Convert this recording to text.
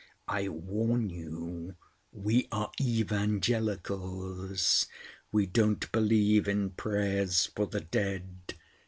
I warn you we are Evangelicals. We don't believe in prayers for the dead.